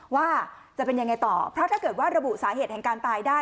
ว่าจะเป็นยังไงต่อเพราะถ้าเกิดว่าระบุสาเหตุแห่งการตายได้